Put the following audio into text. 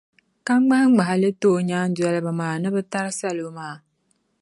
ka ŋmahiŋmahi li ti o nyaandoliba maa ni bɛ tari salo maa.